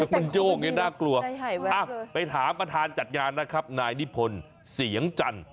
มันโยกไงน่ากลัวไปถามประธานจัดงานนะครับนายนิพนธ์เสียงจันทร์